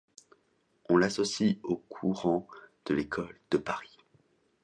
On l'associe au courant de l'école de Paris.